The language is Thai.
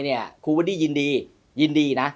คือจัดมวยเนี่ยคุณพ่อดียินดี